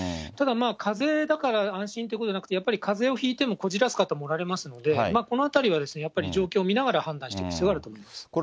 ただ、かぜだから安心ということじゃなくて、かぜをひいても、こじらす方もおられますので、このあたりは、やっぱり状況を見ながら判断していく必要があると思います。